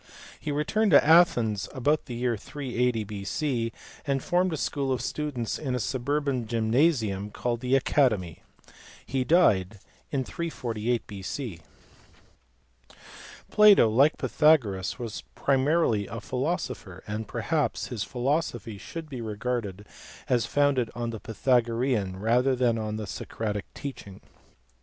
He returned to Athens about the year 380 B.C., and formed a school of students in a suburban gym nasium called the "Academy." He died in 348 B.C. 44 THE SCHOOLS OF ATHENS AND CYZICUS. Plato, like Pythagoras, was primarily a philosopher , and perhaps his philosophy should be regarded as founded on the Pythagorean rather than on the Socratic teaching.